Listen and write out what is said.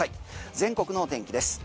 全国の天気です。